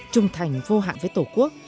trung thành vô hạn với tổ quốc